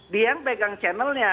dia yang pegang channelnya